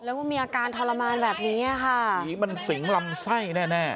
แล้วก็มีอาการทรมานแบบนี้อ่ะค่ะผีมันสิงลำไส้แน่แน่